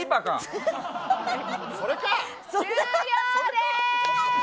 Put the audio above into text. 終了です！